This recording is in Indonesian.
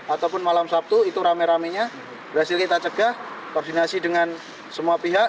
ataupun malam sabtu itu rame ramenya berhasil kita cegah koordinasi dengan semua pihak